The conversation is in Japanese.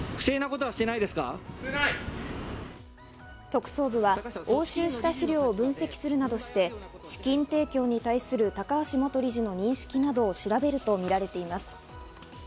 特捜部は押収した資料を分析するなどして資金提供に対する高橋元理事の認識などを調べるものとみられています。